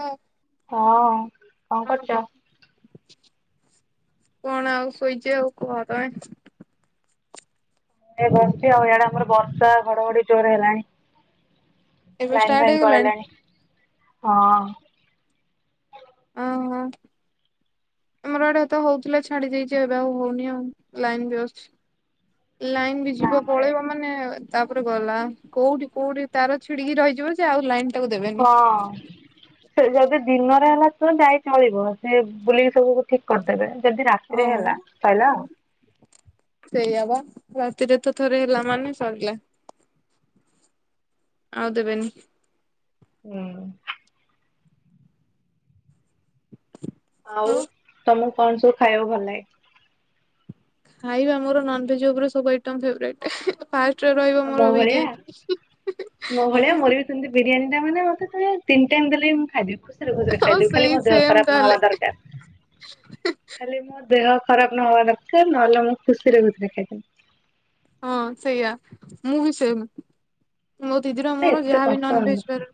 ହୁଁ! ହଁ କଣ କରୁଛ? କଣ ଆଉ ଶୋଇଛି ଆଉ କୁହ ତମେ ଏ ବସିଛି ଆଉ ଇଆଡେ ଆମର ବର୍ଷା ଘଡଘଡି ଜୋରେ ହେଲାଣି। ଏବେ ଲାଇନ୍ ଷ୍ଟାର୍ଟ ଫାଇନ୍ ହେଇଗଲାଣି? ପଳେଇଲାଣି ହଁ। ଓହୋ। ଆମର ଆଡେ ତ ହଉଥିଲା ଛାଡି ଯାଇଛି ଏବେ ଆଉ ହଉନି ଆଉ ଲାଇନ ବି ଅଛି। ଲାଇନ୍ ବି ନା ଯିବ ଆମର ଏ ପଳେଇବ ମାନେ ତାପରେ ଗଲା କୋଉଠି କୋଉଠି ତାର ଛିଡିକି ରହିଯିବ ଯେ ଆଉ ଲାଇନ୍ ହଁ। ସେ ଯଦି ଦିନରେ ହେଲା ତ ଯାଇ ଚଳିବ ସେ ବୁଲିକି ସବୁକୁ ଠିକ କରିଦେବେ। ଯଦି ରାତିରେ ହଁ। ହେଲା ସରିଲା ଆଉ ସେଇଆ ବା ରାତିରେ ତ ଥରେ ହେଲା ମାନେ ସରିଲା। ଆଉ ଦେବେନି ହୁଁ। [inaudible] ଆଉ ତମକୁ କଣ ସବୁ ଖାଇବ ଭଲ ଲାଗେ? ଖାଇବା ମୋର ନନଭେଜ୍ ଉପରେ ସବୁ ଆଇଟମ୍ ଫେବରଟ୍ ଏହେ ଫାଷ୍ଟରେ ରହିବ ଆଉ ମୋ ମୋର ଭଳିଆ ବିରିୟାନୀ ହୁ - ହୁ - ହୁ - ହୁ ସେମତି ବିରିୟାନୀ ଟା ମାନେ ମୋତେ ତମେ ତିିନି ଟାଇମ୍ ଦେଲେବି ଖାଇଦେବି ଖୁସି ଖୁସିରେ ଖୁସିରେ ହଁ ଖାଇଦେବୀ ସେଇ ଖାଲି ମୋ ଦେହ ସେମ ଖରାପ ତାହେଲେ ନହବା ଦରକାର। ଖାଲି ମୋ ଦେହ ଖରାପ ନହବା ଦରକାର, ନହେଲେ ମୁଁ ଖୁସିରେ ଖୁସିରେ ଖାଇଦେବି। ହଁ ସେଇଆା ମୁଁ ବି ସେମ୍ ମୋ ଦିଦିର ମାନେ ମୋର ଏତେ ଯାହାବି କଷ୍ଟ ନନଭେଜ ହଁ ବାର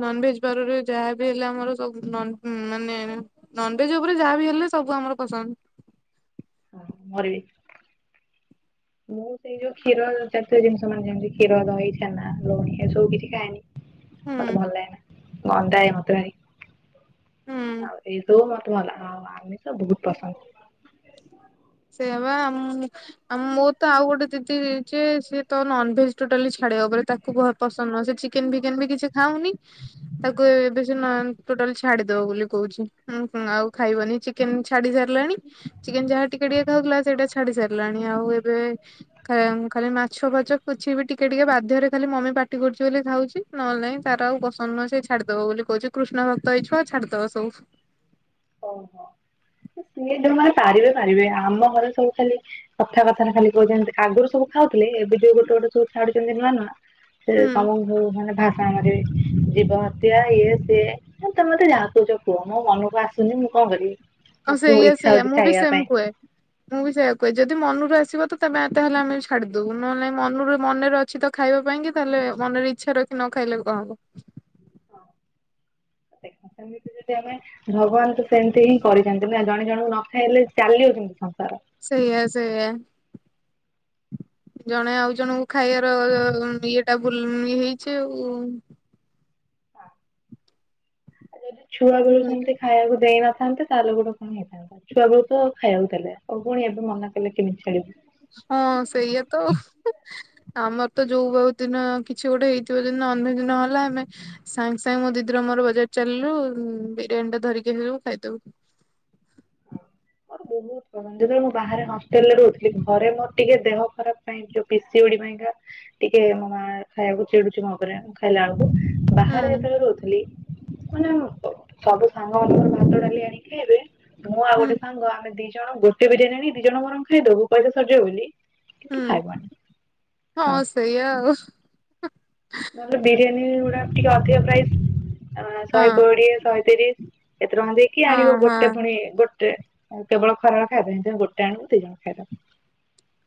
ନନଭେଜ ବାରରେ ଯାହାବି ହେଲେ ଆମର ସବୁ ନନ୍ ମାନେ ନନଭେଜ ଉପରେ ଯାହାବି ହେଲେ ସବୁ ଆମର ପସନ୍ଦ। ମୋର ବି ମୁଁ ସେଇ ଯୋଉ କ୍ଷୀର ଜାତୀୟ ଜିନିଷ ମାନେ ଯେମିତି କ୍ଷୀର ଦହି ଛେନା ଲହୁଣୀ ଏସବୁ କିଛି ଖାଏନି। ହୁଁ ମତେ ଭଲ ଲାଗେନା ଗନ୍ଧାଏ ମତେ ଭାରି ହୁଁ ଆଉ ଏଇସବୁ ମତ ମନା ଆଉ ଆମିଷ ବହୁତ ପସନ୍ଦ। ସେୟା ବା ଆମ୍ ଆ ମୋ ତ ଆଉ ଗୋଟେ ଦିଦି ଯେ ସେତ ନନଭେଜ ଟୋଟାଲି ଛାଡିବା ଉପରେ। ତାକୁ ପସନ୍ଦ ନୁହଁ ସେ ଚିକ୍ ଚିକେନ୍ ଫିକେନ୍ ବି କିଛି ଖାଉନି, ତାକୁ ଏବେ ସେ ମାନ୍ ଟୋଟାଲ ଛାଡିଦବ ବୋଲି କହୁଛି। ହୁଁ ହୁଁ ଆଉ ଖାଇବନି ଚିକେନ ଛାଡି ସାରିଲାଣି ଚିକେନ ଯାହା ଟିକେ ଟିକେ ଖାଉଥିଲା ସେଇଟା ଛାଡି ସାରିଲାଣି ଆଉ ଏବେ ଖ ଖାଲି ମାଛ ଫାଛ କିଛି ବି ଟିକେ ଟିକେ ବାଧ୍ୟରେ ଖାଲି ମମି ପାଟି କରୁଛି ବୋଲି ଖାଉଛି। ନହେଲେ ନାଇଁ ତାର ଆଉ ପସନ୍ଦ ନୁହଁ ସେ ଛାଡିଦବ ବୋଲି କହୁଛି କୃଷ୍ଣ ଭକ୍ତ ହେଇଯିବ ଆଉ ଛାଡିଦବ ସବୁ ଓହୋ ସିଏ ଯୋଉମାନେ ପାରିବେ ପାରିବେ ଆମ ଘରେ ସବୁ ଖାଲି କଥାବାର୍ତ୍ତାରେ ଖାଲି କହୁଛନ୍ତି, ଆଗରୁ ସବୁ ଖାଉଥିଲେ ଏବେ ଯୋଉ ଗୋଟେ ଗୋଟେ ସବୁ ଛାଡୁଛନ୍ତି ନୂଆ ନୁଆ ସେ ହୁଁ ତମ ଯଉ ମାନେ ଭା ଆମର ବି ଜୀବ ହତ୍ୟା ଇଏ ସିଏ ତମେ ମତେ ଯାହା କହୁଛ କୁହ ମୋ ମନକୁ ଆସ ଆସୁନି ମୁଁ କଣ କରିବି? ହଁ ମତେ ସେଇଆ ଇଚ୍ଛା ସେଇଆ ହଉଛି ମୁଁ ବି ଖାଇବା ସେମ୍ ପାଇଁ କୁହେ। ମୁଁ ବି ସେୟା କୁହେ ଯଦି ମନୁରୁ ଆସିବ ତ [unintelligible] ଆମେ ବି ଛାଡିଦବୁ ନହେଲେ ନାଇ ମନ ରୁ ମନରେ ଅଛି ତ ଖାଇବା ପାଇଁ କି ତାହେଲେ ମନରେ ଇଚ୍ଛା ରଖି ନ ଖାଇଲେ ବି କଣ ହବ। [inaudible] ଦେଖ ସେମତି ଯଦି ଆମେ ଭଗବାନ୍ ତ ସେମିତି ହିଁ କରିଚନ୍ତି ନା ଜଣେ ଜଣଙ୍କୁ ନ ଖାଇଲେ ଚାଲିବ କେମିତି ସଂସାର। ସେଇଆ -ସେଇଆ। ଜଣେ ଆଉ ଜଣଙ୍କୁ ଖାଇବାର ଇଏଟା ବୁଲ୍- ଇଏ ହେଇଚି ଆଉ। ଆଉ ଯଦି ଛୁଆ ବେଳୁ ସେମିତି ଖାଇବାକୁ ଦେଇନ ଥାନ୍ତେ ତାହେଲେ ଗୋଟ କଣ ହେଇଥାନ୍ତା ଛୁଆ ବେଳୁ ତ ଖାଇବାକୁ ଦେଲେ ଆଉ ପୁଣି ଏବେ ମନା କଲେ କେମିତି ଛାଡ଼ିବୁ। ହଁ ସେଇଆ ତ ଆଉ ଉ-ହୁଁ। ଆମର ତ ଯଉ ଦିନ କିଛି ଗୋଟେ ହେଇଥିବ ଯଦି ନନଭେଜ୍ ନ ହେଲା ଆମେ ସାଙ୍ଗେ ସାଙ୍ଗେ ମୋ ଦିଦିର ମୋର ବଜାର ଚାଲିଲୁ ବିରିୟାନୀ ଟେ ଧରିକି ଆସିଲୁ ଖାଇଦବୁ। [inaudible] [unintelligible] ମୁଁ ବାହାରେ ହଷ୍ଟେଲ୍ ରେ ରହୁଥିଲି ଘରେ ମୋର ଟିକେ ଦେହ ଖରାପ୍ ପାଇଁ ଯଉ ପିସି ଉଡି ପାଇଁକା ଟିକେ ମୋ ମା ଖାଇବାକୁ ଚିଡୁଚି ମୋ ଉପରେ ଖାଇଲା ବେଳକୁ ବାହାରେ ହୁଁ ଯେତେବେଳେ ରହୁଥିଲି ମାନେ ଅ-ସବୁ ସାଙ୍ଗ ମାନେ ଭାତ ଡାଲି ଆଣିକି ଖାଇବେ ମୁଁ ଆଉ ହୁଁ ଗୋଟେ ସାଙ୍ଗ ଆମେ ଦି ଜଣ ଗୋଟେ ବିରିୟାନୀ ଆଣିକି ଦି ଜଣ ବରଂ ଖାଇଦବୁ ପଇସା ସରିଯିବ ବୋଲି କିନ୍ତୁ ହୁଁ- ଖାଇବନି ହଁ ସେଇଆ ଆଉ। ନହେଲେ ବିରିୟାନୀ ଗୁଡା ଟିକେ ଅଧିକ ପ୍ରାଇସ୍ ଆ-ଶହେ ଆଉ କୋଡିଏ ଶହେ ତିରିଶ୍ ଏତେ ଟଙ୍କା ଦେଇକି ହଁ ଆଣିବ ହଁ ଗୋଟେ ହଁ। ପୁଣି ଗୋଟ୍ ଟେ କେବଳ ଖରା ବେଳେ ଖାଇବା ପାଇଁ ତେଣୁ ଗୋଟେ ଆଣୁ ଦି ଜଣ ଖାଇଦଉ।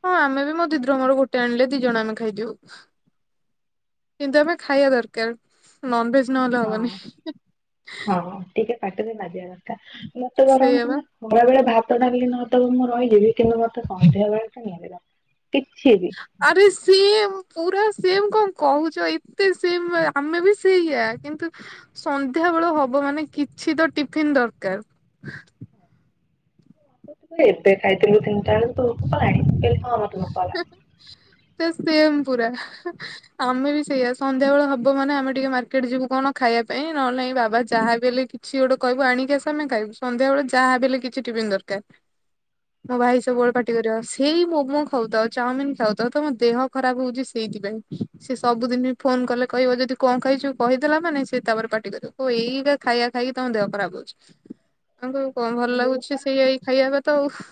ହଁ ଆମେ ବି ମୋ ଦିଦି ର ମୋର ଗୋଟେ ଆଣିଲେ ଦି ଜଣ ଆମେ ଖାଇଦଉ। କିନ୍ତୁ ଏବେ ଖାଇବା ଦରକାର୍ ନନ୍ ଭେଜ୍ ନହେଲେ ହଁ ହବନି। ହଁ ଟିକେ ପାଟିରେ ବାଜିବା ଦରକାର୍ ମତେ ବରଂ ସେଇଆ ବା। ତୁମେ ଖରାବେଳେ ଭାତ ଡାଲିି ନ ଦବ ମୁଁ ରହିଯିବି କିନ୍ତୁ ମତେ ସନ୍ଧ୍ୟା ବେଳଟା ନିହାତି ଦରକାର୍। କିଛି ବି। ଆରେ ସେମ୍ ପୁରା ସେମ୍ କଣ କହୁଚ ଏତେ ସେମ୍ ଆମେ ବି ସେଇଆ। କିନ୍ତୁ ସନ୍ଧ୍ୟା ବେଳ ହବ ମାନେ କିଛି ତ ଟିଫିନ୍ ଦରକାର୍। ତୁ ଏବେ ଖାଇଥିଲୁ ତିନଟା ବେଳକୁ ତତେ ଭୋକ ହେଲାଣି କହିଲି ହଁ ମତେ ଭୋକ କଲାଣି। ସେ ସେମ୍ ପୁରା। ଆମେ ବି ସେଇଆ ସନ୍ଧ୍ୟାବେଳ ହବ ମାନେ ଆମେ ଟିକେ ମାର୍କେଟ ଯିବୁ କଣ ଖାଇବା ପାଇଁ ନହେଲେ ନାଇଁ ବାବା ଯାହାବି ହେଲେ କିଛି ଗୋଟେ କହିବୁ ଆଣିକି ଆସ ଆମେ ଖାଇବୁ ସନ୍ଧ୍ୟାବେେଳେ ଯାହାବି ହେଲେ କିଛି ଟିଫିନ୍ ଦରକାର୍। ମ ଭାଇ ସବୁବେଳେ ପାଟି କରିବ ସେଇ ମୋମୋ ଖାଉଥାଅ ଚାଉମିିନ୍ ଖାଉଥାଅ ତମ ଦେହ ଖରାପ୍ ହଉଚି ସେଇଥିପାଇଁ ସେ ସବୁଦିନି ଫୋନ୍ କଲେ କହିବ ଯଦି କଣ ଖାଇଚୁ କହିଦେଲା ମାନେ ସେ ତାପରେ ପାଟି କରିିବ ଏଇରା ଖାଇବା ଖାଇକି ତମ ଦେହ ଖରାପ ହଉଚି। ଆମକୁ କଣ ଭଲ୍ ମୁଁ କହିଲି ହଁ ମତେ ଭୋକ କଲାଣି। ମୁଁ ପା ଲାଗୁଚି ସେଇ ଏଇ ଖାଇବାକୁ ତ ଆଉ।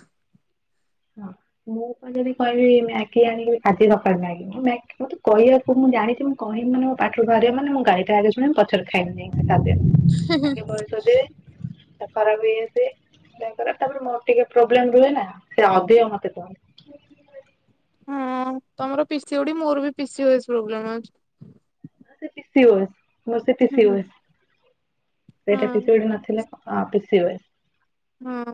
ହଁ ମୋ ପାଇଁ ଯଦି କହିବି ମ୍ୟାଗି ଆଣିବ ଆଜି ସକାଳେ ମ୍ୟାଗି ମୁଁ ମ୍ୟାଗି -ମତେ କହିବାକୁ ମୁଁ ଜାଣିଚି ମୁଁ କହିବି ମାନେ ମୋ ପାଟିରୁ ବାହାରିବ ମାନେ ମୁଁ ଗାଳିଟା ଆଗେ ଶୁଣିିବି ପ ଛ ରେ ଖାଇବି ଯାଇଁ [unintelligible] ହିଁ। ଆଗେ ବହେ ସୋଦିବେ [unintelligible] ତାପରେ -ତାପରେ ମୋର ଟିକେ ପ୍ରୋବ୍ଲେମ ରୁହେ ନା। ସେ ଅଧିକ ମତେ କୁହନ୍ତି। ହଁ ତମର ପିସି ଉଡି ମୋର ବି ପିସି ଓସି ପ୍ରୋବ୍ଲେମ୍ ଅଛି। [unintelligible] ପିସିଓଏସ୍ ମୋର ସେ ହୁଁ ପିଶିଓଏସ୍। ସେଇଟା ହଁ ପିସି ଓଡ଼ି ନଥିଲା ଆ- ପିସିଓଏସ୍। ହଁ।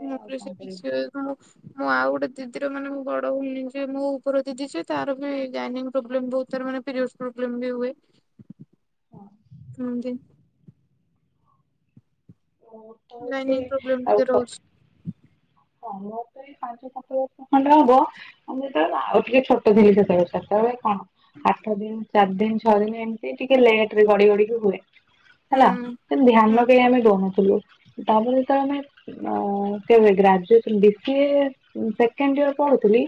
[unintelligible] ଆଉ ମୁଁ କଣ କରିବି ଆଉ ଗୋଟେ ଦିଦିର ମାନେ ମୁ ବଡ ଭଉଣୀ ଯିଏ ମୋ ଉପର ଦିଦି ସିଏ ତାର ବି ଗାଇନିକ୍ ପ୍ରୋବ୍ଲେମ୍ ବହୁତ୍ ମାନେ ତାର ମାନେ ପିରିୟଡ଼ସ୍ ପ୍ରୋବ୍ଲେମ୍ ବି ହୁଏ ହଁ ହେନ୍ତି। ଲାଇନିଂ ପ୍ରୋବ୍ଲେମ ଟିକେ [unintelligible] ରହୁଛି ତମର ତ ଏଇ ପାଞ୍ଚ ସାତ ବର୍ଷ ଖଣ୍ଡେ ହବ ଆ ମୋର୍ ଆଉ ଟିକେ ଛୋଟ ଥିଲି ସେତେବେଳେ ସେତେବେଳେ କଣ ଆଠ ଦିନ ଚାରି ଦିନ ଛଅ ଦିନ ଏମିତି ଟିକେ ଲେଟ ରେ ଗଡି ଗଡିିକି ହୁଏ। ହେଲା ହୁଁ ହୁଁ ଧ୍ୟାନ ବି ଆମେ ଦଉନଥିଲୁ। ତାପରେ ତ ଯେତେବେଳେ ଆମେ କେବେ ଗ୍ରା [unintelligible] ସେକେଣ୍ଡ ଇୟର ପଢୁଥିଲି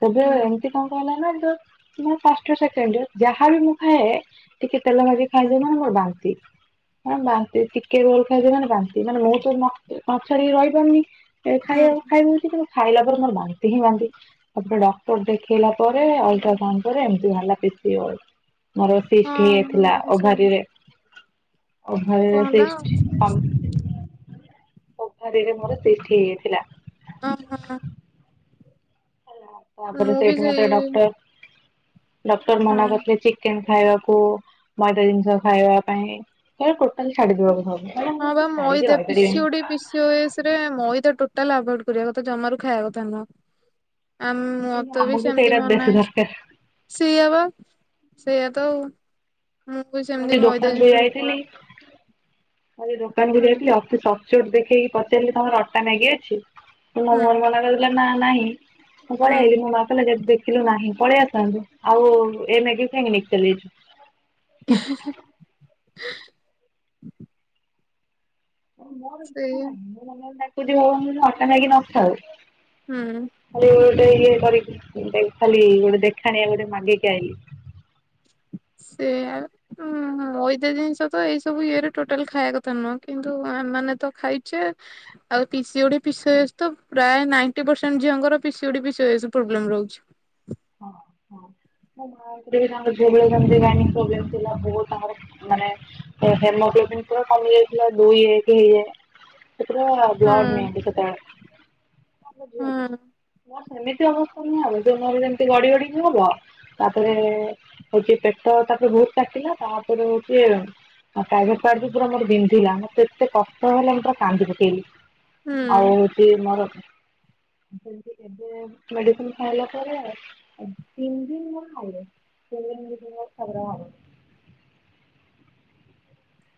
ସେବେ ହୁଁ ଏମତି [unintelligible] ମୋ ପାଷ୍ଟ ସେକେଣ୍ଡ ଇୟର ଯାହାବି ମୁଁ ଖାଏ ଟିକେ ତେଲ ଭାଜି ହୁଁ ଖାଇଦେବୀ ମାନେ ମୋର ବାନ୍ତି। ମ ବାନ୍ତି ଟିକେ ରୋଲ୍ ଖାଇଦବ ମାନେ ବାନ୍ତି ମାନେ ମୁଁ ତ ନ ଛାଡିକି ରହିପାରୁନି। ଖାଇବା ହୁଁ। ଖାଇଦଉଛି କିନ୍ତୁ ଖାଇଲା ପରେ ମୋର ବାନ୍ତି ହିଁ ବାନ୍ତି। ତାପରେ ଡକ୍ଟର ଦେଖେଇଲା ପରେ ଅଲଟ୍ରାସାଉଣ୍ଡ ପରେ ଏମିତି ଭାରିଲା ପିସିଓ ମୋର ସିଷ୍ଟ ହଁ ହେଇଯାଇଥିଲା ମୋର ବି ସେଇ ଓଭାରିରେ। କଣ ଅନ୍ଧାରରେ ହେଲା ଟେଷ୍ଟ୍ [unintelligible] ଅନ୍ଧାରରେ ମୋର ଟେଷ୍ଟ୍ [unintelligible] ଥିଲା। ହ ହଁ ତାପରେ ମୁଁ ବି ସେଇଠି ମତେ ସେଇ ଡକ୍ଟର ଡକ୍ଟର ହଁ ମନା କରିଥିଲେ ଚିକେନ ଖାଇବାକୁ। ମଇଦା ଜିନିଷ ଖାଇବା ପାଇଁ ଟୋଟାଲି ଛାଡିଦବାକୁ ସବୁ ମାନେ ମୁଁ ହଁ ତ ବା ଛାଡିକି ମଇଦା ରହିପାରିବିନି ପିସିଓଡି ପି ପିଷଓଏଷ ରେ ମଇଦା ଟୋଟାଲ ଆଭେଡ କରିବା କଥା ଜମାରୁ ଖାଇବା କଥା ନୁହଁ। ଆଉ କିନ୍ତୁ ମତେ ବି ଆମକୁ ସେମିତି ସେଇଟା ମନା ବେଶୀ ହେଇଛି। ଦରକାର। ସେଇଆ ବା ସେଇଆ ତ ଆଉ ମୁଁ ବି ସେମତି ମଇଦା ଜିନିଷ ସବ ପ। ଆ ଦୋକାନକୁୁ ହୁଁ ଯାଇଥିଲି ଅତି ସଚୋଟ ଦେଖେଇକି ପଚାରି ତମର ଅଟା ମାଗି ଅଛି। ମ ହୁଁ ମୋର ମନା କରିଥିଲା ନା ନାହିଁ ମୁଁ ହୁଁ ପଳଆଇଲି ମୋ ମା କହିଲା ଦେଖ ଦେଖିଲୁ ନାହିଁ ପଳେଇ ଆସନ୍ତୁ ଆଉ ଏ ମେଗି କାହିଁକି ନେଇିକ ଚାଲିଛୁ। ମୋର ଇଛା ସେଇଆ ନାହିଁ ମୁଁ ମନେ ମନେ ଡାକୁଚି ହଉ ଅଟା ମାଗି ନଥାଉ। ହୁଁ। ଖାଲି ଗୋଟେ ଇଏ କରିକି ଖାଲି ଗୋଟେ ଦେଖାଣିଆ ଗୋଟେ ମାଗିକି ଆଇିଲି। ସେ ଆଉ। ହୁଁ ମଇଦା ଜିନିଷ ତ ଏଇ ସବୁ ଇଏରେ ଟୋଟାଲ ଖାଇବା କଥା ନୁହଁ କିନ୍ତୁ ଏମାନେ ତ ଖାଇଛେ ଆଉ ପିସିଓଡି ଉ ପିସିଓଶ ତ ପ୍ରାଇ ନାଇଣ୍ଟି ପରସଣ୍ଟ ଝିଅଙ୍କର ପିସିଓଡି ପିସିଓଶ ପ୍ରୋବ୍ଲ ରହୁଛି। ହଁ ହଁ। ମୋ ମାଙ୍କର ବି ତାଙ୍କ ଝିଅବେଳେ ସେମିତି ଗାଇନିକ ପ୍ରୋବ୍ଲେମ ଥିଲା ବ ତାଙ୍କର ମାନେ ତ ହେମୋଗ୍ଲୋବିନ୍ ପୁରା କମି ଯାଇଥିଲା ଦୁଇ ଏକ ସେତଟା ବ୍ଲଢ ହୁଁ ନିଅନ୍ତି ସେତେବେଳେ। ଝିଅ ଟା ହଁ। ମୋର ସେମିତି ଅବସ୍ଥା ନିଁ ଦୁନିଆରେ ଯେମତି ଗଡି ଗଡିିକି ହବ। ତାପରେ ହଉଛି ପେଟ ତାପରେ ବହୁତ କାଟିଲା ତାପରେ ହଉଛି ଆଉ ପ୍ରାଇଭେଟ ପାଟ ବି [unintelligible] ମୋର ବିନ୍ଧିଲା ମତେ ଏତେ କଷ୍ଟ ହେଲା ମୁଁ ପୁରା କାନ୍ଦି ପକେଇଲି। ହୁଁ। ଆଉ। ମୋର ଏବେ ଏବେ ମେଡିସିନ ଖାଇଲା ପରେ ଆଉ ତିନ ଦିନ ମୁଁ ଖାଇଲେ ତିନ ଦିନ ଖବର ହବ।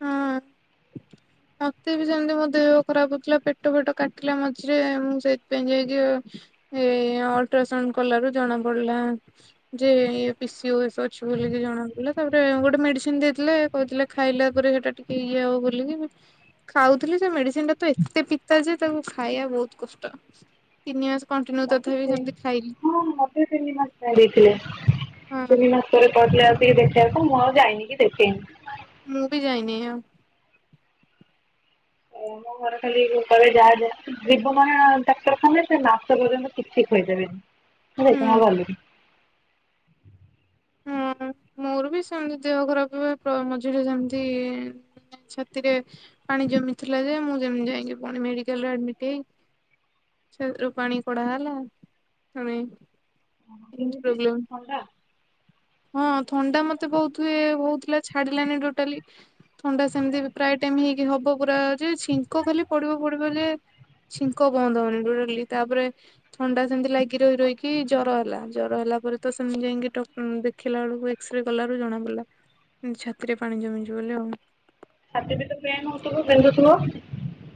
ହଁ। ମତେ ବି ସେମିତି ମୋ ଦେହ ଖରାପ ହଉଥିଲା ପେଟ ଫେଟ କାଟିଲା ମଝିରେ ମୁଁ ସେଇଥିପାଇଁ ଯାଇକି ଆଉ। ଏ ଅଲଟ୍ରାସାଉଣ୍ଡ କଲାରୁୁ ଜଣା ପଡିଲା ଯେ ପିସିଓଏଷ। ଅଛି ବୋଲିକି ଜଣାପଇଲା ତାପରେ ଗୋଟେ ମେଡିସିନ ଦେଇଥିଲେ କହୁଥିଲେ ଖାଇଲେ ରେ ସେଟା ଟିକେ ଇଏ ହବ ବ ବୋଲିକ। ଖାଉଥିଲି ସେ ମେଡିସିନ ଟା ତ ଏତେ ପିତା ଯେ ତାକୁ ଖାଇବା ବହୁତ କଷ୍ଟ। ତିନି ମାସ କଣ୍ଟିନ୍ୟୁ ମତେ ତଥାପି ସେ ସେମିତି ଖାଇଲି। ହଁ ମତେ ତିନି ମାସ ଦେଇଦେଇଥିଲେ ହଁ ତିନି ମାସ ସେ କହିଲେ ଆସିକି ଦେଖେଇବାକୁ ମୁଁ ଆଉ ଯାଇନି କି ଦେଖେଇନି। ମୁଁ ବି ଯାଇନି ଆଉ। ଓ ମୋ ଘରେ ଖାଲି କ ଯାହା ଯା ଜୀବ ମାନ ଡାକ୍ତରଖାନେ ସେ ମାସ ପର୍ଯ୍ୟନ୍ତ କିଛି ଖୋଇଦେବେନି ଝାଇଣ ହୁଁ ଭଲୁ। ହଁ ମୋର ବି ସେମତି ଦେହ ଖରାପ ହୁଏ ମଝିରେ ସେମତି ଛାତିରେ ପାଣି ଜମିଥିଲା ଯେ ମୁଁ ଯେମତି ଯାଇକି ପୁଣି ମେଡିକାଲରେ ଆଡ୍ମିଟ ହେଇ ଛ ରୂ ପାଣି କୋଡା ହେଲା ଶୁଣେ। ହଁ କେମିତି ଥଣ୍ଡା। ହଁ ଥଣ୍ଡା ମତେ ବହୁତ ହୁଏ ହଉଥିଲା ଛାଡିଲାନି ଟୋଟାଲି ଥଣ୍ଡା ସେମିତି ପ୍ରାୟ ଟାଇମ ହେଇକି ହବ ପୁରା ଯେ ଛିଙ୍କ ଖାଲି ପଡିବ ପଡିବ ଯେ ଛିଙ୍କ ବନ୍ଦ ହଉନି ଡଡଲି ତାପରେ ଥଣ୍ଡା ସେମିତି ଲାଗି ରହି ରହିକି ଜ୍ୱର ହେଲା ଜର ହେଲା ପରେ ତ ସେମିତି ଯାଇକି ଟ ଉଁ ଦେଖିଲା ବେଳକୁ ଏକ୍ସରେ କଲାରୁ ଜଣା ପଡିଲା ଛାତିରେ ପାଣି ଜମିଛି ବୋଲି ହଉ। ଛାତି ବି ତ ପେ ନ ହଉଥିବ ପେନ୍ଧୁଥିବ।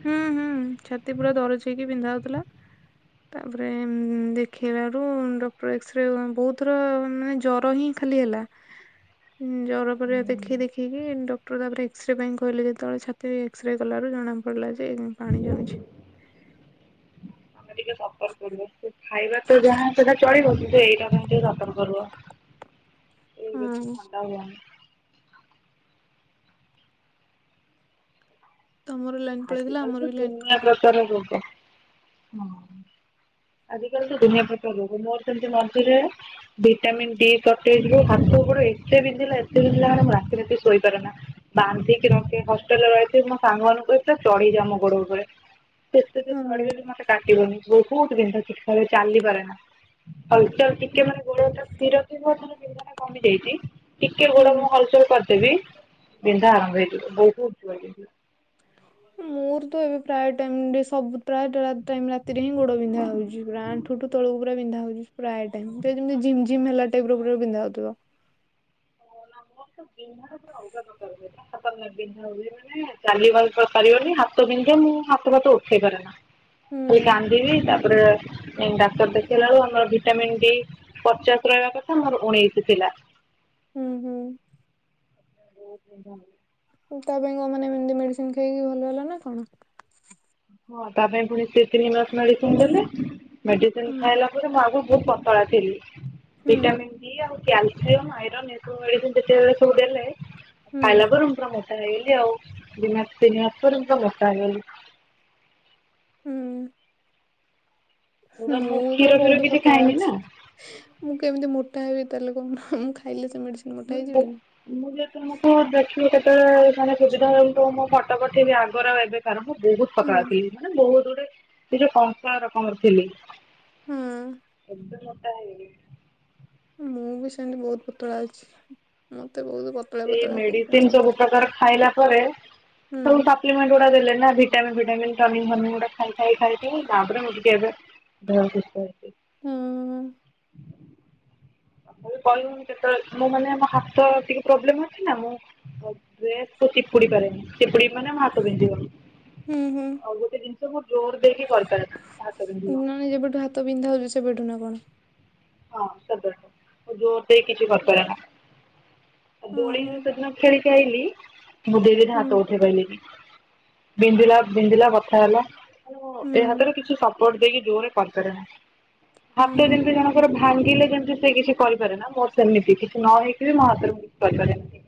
ହୁଁ ହୁଁ ଛାତି ପୁରା ଦରଜ ହେଇକି ପିନ୍ଧା ହଉଥିଲା। ତାପରେ ଦେଖେଇଲାରୁ ଡକ୍ଟର ଏକ୍ସରେ ବହୁତଥର ମାନେ ଜର ହିଁ ଖାଲି ହେଲା। ହଁ ଜର ପରିବା ଦେଖେଇ ଦେଖିକି ଡକ୍ଟର ତାପରେ ଏକ୍ସରେ ପାଇଁ କହିଲେ ଯେତେବେଳେ ଛା ତି ଏକ୍ସରେ କଲାରୁ ଜଣା ପଡିଲା ଯେ ପାଣି ଜମିଛି। [unintelligible] ଖାଇବା ତ ଯାହା ସେଇଟା ଚଳିବ କିନ୍ତୁ ଏଇଟା କେମତି ଯତନ କରିବ। ଏ ର ହୁଁ। ଥଣ୍ଡା ହୁଆ। ତମର ଲାଗ ଆଜି କାଲି ତ ଦୁନିଆ ପ୍ରକାର ରୋଗ। ଆଜିକାଲି ତ ଦୁନିଆ ପ୍ରକାର ରୋଗ ମୋର୍ ସେମିତି ମଝିରେ ଭିଟାମିନ୍ ଡି ସଟେଜ୍ ରୁ ହାତ ଉପରୁ ଏତେ ବିନ୍ଧିଲା ଏତେ ବିନ୍ଧିଲା ମାନେ ରାତିନୀତି ଶୋଇପାରେ ନା। ବାନ୍ଧିକି ରଖେ ହଷ୍ଟେଲ ରେ ରହିଥି ମୋ ସାଙ୍ଗମାନଙ୍କୁ ଚଢିଜା ମୁ ଗୋଡ ଉପରେ ସେତେ ହୁଁ ଚଢଗଲେ ମତେ କାଟିବନି ବହୁତ୍ ବିିନ୍ଧା ଛିଟ୍ କା ଖରେ ଚାଲି ବରେ ନା। ହଲ୍ ଚଲ୍ ଟିକେ ମାନେ ଗୋଡତ ସ୍ଥିର ଥିବ ବିନ୍ଧା ଟା କମି ଯାଇଛି। ଟିକେ ଗୋଡ ହୁଁ। ମୁଁ ହଲସଲ କରିଦେବି ବିନ୍ଧା ଆରମ୍ଭ ହେଇଯିବ ବହୁତ ଉ। ମୋର ତ ଏବେ ପ୍ରାୟ ଟାଇମ ଟ ସବୁ ପ୍ରାୟ ଟାଇ ରାତିରେ ହିଁ ଗୋଡ ବିନ୍ଧା ହଉଛିା ଠୁ ଟୁ ତଳ ପୁରା ବିନ୍ଧା ହଉ ପ୍ରାୟ ଟାଇମ୍ ଯେମିତି ଜିମ୍ ଜିମ୍ ହେ ଟାଇପ୍ର ପୁରା ବିିନ୍ଧା ହଉଥିବ। [unintelligible] ଚାଲିବା ପାରିବନି ହାତ ବିନ୍ଧେ ମୁଁ ହାତ ଭାତ ଉଠେଇ ପାରେ ନା। ସେ ହୁଁ କାନ୍ଦିବି ତାପରେ ଡାକ୍ତର ଦେଖେଇଲାରୁ ଆମର ଭିଟାମିନ୍ ଡି ପଚାଶ ରହିବା କଥା ମୋର ଉଣେଇଶି ଥିଲା। ହୁଁ ହୁଁ। [unintelligible] ତା ପାଇଁ କ ମ ଏମିତି ମେଡିସିନ ଖାଇକି ଭଲ ହେଲା ନା କଣ? ହଁ ତା ପାଇଁ ପୁଣି ସେ ତିନି ମାସ ମେଡିସିନ ଦେଲେ ମେଡିସିନ ହୁଁ ଖାଇଲା ମୁ ଆଗରୁ ବହୁତ ପତଳା ଥିଲି ହୁଁ ଭିଟାମିନ ଡି ଆଉ କ୍ୟାଲସିୟମ ଆଇରନ୍ ଏ ସବୁ ମେଡିସିନ ସେତେବେଳେ ସବୁ ଦେଲେ ହୁଁ ଖାଇଲା ପରେ ମୁଁ ପୁରା ମୋଟା ହେଇଲି ଆଉ ଦିନ ମାସ ତିନି ମାସ ପରେ ମୁଁ ପୁରା ମୋଟା ହେଲି। ହୁଁ। ସେଗୁଡା ମୁଁ ତ କ୍ଷୀର ଫିର ବହୁତ କିଛି ପତଳା ଖାଇନି ଅଛି। ନା ମୁଁ କେମିତି ମୋଟା ହେବି ତାହେଲେ କଣ ମୁଁ ଖାଇଲେ ସେ ମେଡିସି [unintelligible] ମୁ କେତେବେଳେ ମାନେ ସୁବିଧା ହଉ ମୁଁ ଫଟୋ ପଠେଇବି ଆଗରୁ ଆଉ ଏବେ କାର ମୁଁ ବହୁତ ହୁଁ ପତଳା ଥିଲି। ମାନେ ବହୁତ ଗୁଡେ ସେ ଯୋଉ କଂସ ରକମର ଥିଲି। ହୁଁ [unintelligible] ମୁଁ ବି ସେମ୍ତି ବୋହୁତ୍ ପତଳା ଅଛି ମତେ ବୋହୁତ୍ ପ ଏ ମେଡିସିନ୍ ସବୁ ପ୍ରକାର ଖାଇଲା ପରେ ହୁଁ ସବୁ ତ [unintelligible] ଦେଲେ ନା ଭିଟାମିନ୍ ଫିଟାମିନ୍ ଟନିଙ୍କ୍ ଫନିଙ୍କ୍ ଖାଇ ଖାଇି କା ତାପରେ ମୁଁ ଟିକେ ଏବେ [unintelligible] ହୁଁ। କହିଲୁ କେତେବେଳେ ମୁଁ ମାନେ ମୋ ହାତ ଟିକେ ପ୍ରୋବ୍ଲେମ ଅଛି ନା ମୁଁ ଡ୍ରେସ୍ କୁ ଚିପୁଡ଼ି ପାରେନି ଚିପୁଡିମି ମାନେ ମୋଁ ହାତ ବିନ୍ଧିବ। ହୁଁ ହୁଁ। ଆଉ ଗୋଟେ ଜିନିଷ ଜୋର୍ ଦେଇକି କରିପାର୍ ନାଁ ଯେବେଠୁ ହାତ ପିନ୍ଧା ହଉଚି ସେବେଠୁ ନା କଣ। ହଁ ସେବେଠୁ ମୁଁ ଜୋର୍ ଦେଇ କିଛି କରିପାରେନା। ହୁଁ ଦୋଳି ହୁଁ ସେଦିନ ଖେଳିକି ଆଇଲି ମୁଦେ ହେଇଯାଇଚି ହୁଁ ହାତ ଉଠେ ପାଇଲିନି। ବିନ୍ଧିଲା ବିନ୍ଧିଲା ବଥା ହେଲା ହୁଁ ଏ ହାତରୁ କିଛି ସବ ସପଟ ଦେଇକି ଜୋରରେ କରଦେଲା ହଁ ମତେ ହଁ ଯେମତି ବି ଯଣ ର ଭାଙ୍ଗିଲେ ଯେମିତି ସେ କିଛି କରିପାରେ ନା ମୋର ସେମିତି କିଛି ନ ହେଇକି ବି ମୋ ହାତରେ ମିସ୍ କରିପାରେନା।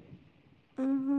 ଉଁ ହୁଁ।